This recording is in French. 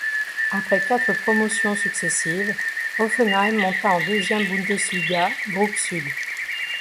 Après quatre promotions successives, Hoffenheim monta en deuxième Bundesliga, Groupe Sud.